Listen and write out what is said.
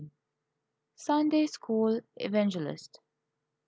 _Sunday School Evangelist.